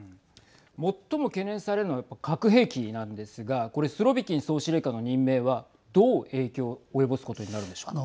最も懸念されるのは核兵器なんですがスロビキン総司令官の任命はどう影響を及ぼすことになるでしょうか。